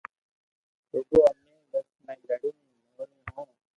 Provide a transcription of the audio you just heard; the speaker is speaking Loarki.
روگو امي ڊپس ۾ لڙين ئوري ھون